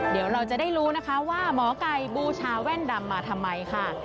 เดี๋ยวเราจะได้รู้นะคะว่าหมอไก่บูชาแว่นดำมาทำไมค่ะ